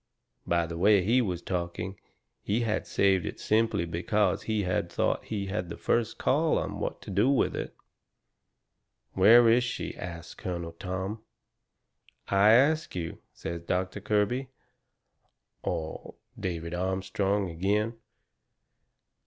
By the way he was talking, he had saved it simply because he thought he had the first call on what to do with it. "Where is she?" asts Colonel Tom. "I ask you," says Doctor Kirby or David Armstrong agin.